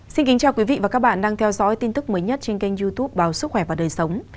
xin kính chào quý vị và các bạn đang theo dõi tin tức mới nhất trên kênh youtube báo sức khỏe và đời sống